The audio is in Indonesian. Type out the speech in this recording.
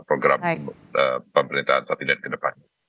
jadi ini adalah hal yang harus dilakukan oleh pemerintahan presiden ke depannya